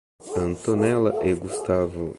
Antonella e Gustavo